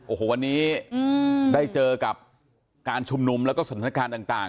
โอ้โหวันนี้ได้เจอกับการชุมนุมแล้วก็สถานการณ์ต่าง